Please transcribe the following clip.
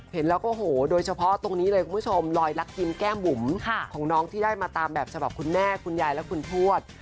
เห็นแล้วก็โหโดยเฉพาะตรงนี้เลยคุณผู้ชมลอยลักยิ้มแก้มบุ๋มของน้องที่ได้มาตามแบบฉบับคุณแม่คุณยายและคุณทวด